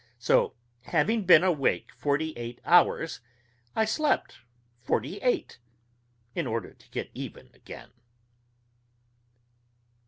So having been awake forty eight hours, I slept forty eight, in order to get even again.